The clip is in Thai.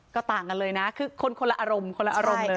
ก็ต่างกันเลยนะคือคนคนละอารมณ์คนละอารมณ์เลย